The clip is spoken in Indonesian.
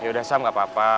yaudah sam gapapa